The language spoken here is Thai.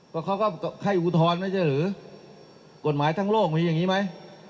ก็เขาก็ไข้อูทรไม่ใช่หรือกฎหมายทั้งโลกมีอย่างนี้ไหม